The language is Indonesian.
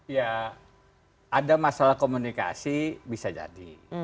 ya ada masalah komunikasi bisa jadi